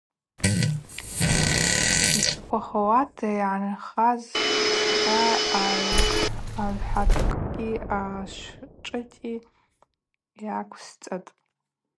Йцӏыхъвахауата йгӏанхаз схьа агӏвхӏатыкъкӏи ашвтшыти гӏаквсцӏатӏ.